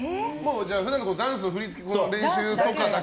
普段のダンスの振り付けの練習とかだけ？